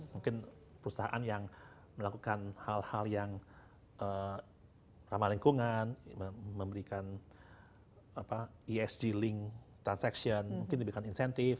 mungkin perusahaan yang melakukan hal hal yang ramah lingkungan memberikan esg link transaction mungkin diberikan insentif